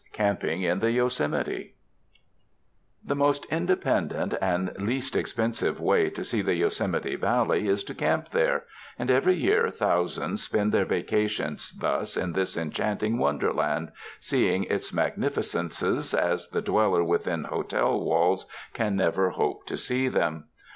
Camping in the Yosemite The most independent and least expensive way to see the Yosemite Valley is to camp there, and every year thousands spend their vacations thus in this enchanting wonderland, seeing its magnificences as the dweller within hotel walls can never hope to see them.